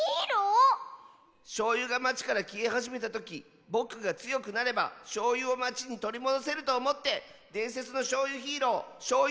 しょうゆがまちからきえはじめたときぼくがつよくなればしょうゆをまちにとりもどせるとおもってでんせつのしょうゆヒーローショーユージャー